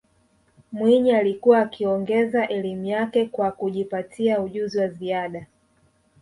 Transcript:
mwinyi alikuwa akiongeza elimu yake kwa kujipatia ujunzi wa ziada